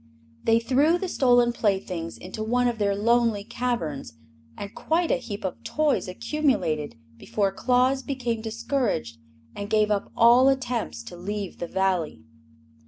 They threw the stolen playthings into one of their lonely caverns, and quite a heap of toys accumulated before Claus became discouraged and gave up all attempts to leave the Valley.